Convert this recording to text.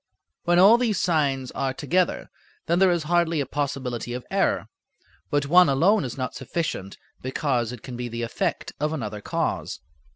When all these signs are together then there is hardly a possibility of error, but one alone is not sufficient, because it can be the effect of another cause.